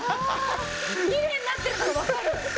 きれいになってるのがわかる。